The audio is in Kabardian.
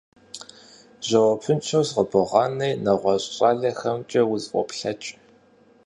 Жэуапыншэу сыкъыбогъанэри, нэгъуэщӀ щӀалэхэмкӀэ усфӀоплъэкӀ.